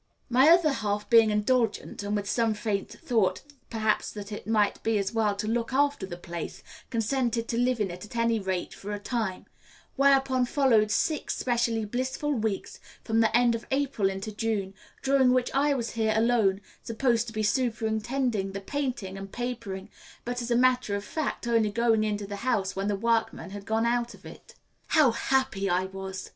My other half being indulgent, and with some faint thought perhaps that it might be as well to look after the place, consented to live in it at any rate for a time; whereupon followed six specially blissful weeks from the end of April into June, during which I was here alone, supposed to be superintending the painting and papering, but as a matter of fact only going into the house when the workmen had gone out of it. How happy I was!